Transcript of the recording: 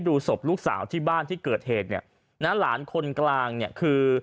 ดูศพลูกสาวที่บ้านที่เกิดเหตุเนี่ยนะหลานคนกลางเนี่ยคือ